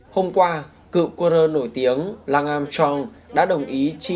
hôm qua cựu quân hợp nổi tiếng langam chong đã đồng ý chiến đấu với hà nội